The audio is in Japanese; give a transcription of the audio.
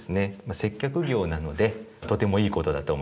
接客業なのでとてもいいことだと思います。